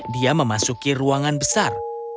dia memasuki ruangan besar